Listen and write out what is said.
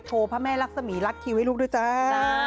พระแม่รักษมีรัดคิวให้ลูกด้วยจ้า